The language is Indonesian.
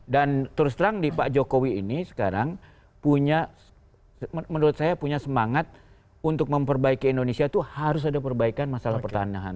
dan terus terang di pak jokowi ini sekarang punya menurut saya punya semangat untuk memperbaiki indonesia itu harus ada perbaikan masalah pertanahan